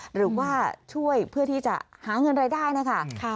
หรือว่าช่วยเพื่อที่จะหาเงินรายได้นะคะ